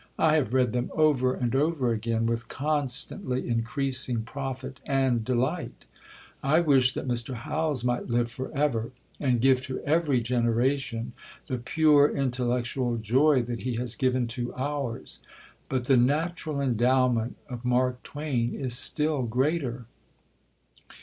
I have read them over and over again, with constantly increasing profit and delight. I wish that Mr. Howells might live for ever, and give to every generation the pure intellectual joy that he has given to ours. But the natural endowment of Mark Twain is still greater.